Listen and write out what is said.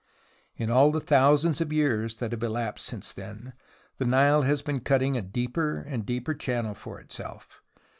In all the thousands of years that have elapsed since then, the Nile has been cutting a deeper and deeper channel for itself.